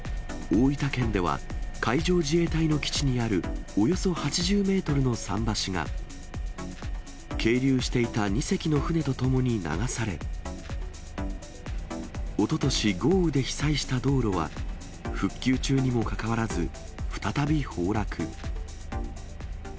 大分県では、海上自衛隊の基地にあるおよそ８０メートルの桟橋が、係留していた２隻の船とともに流され、おととし、豪雨で被災した道路は、復旧中にもかかわらず、再び崩落。